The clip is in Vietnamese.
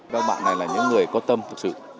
các bạn này là những người có tâm thực sự